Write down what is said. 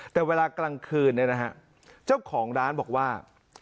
แต่เวลากลางคืนเนี่ยนะฮะเจ้าของร้านบอกว่า